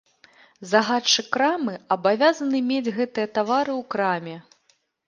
Загадчык крамы абавязаны мець гэтыя тавары ў краме.